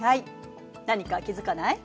何か気付かない？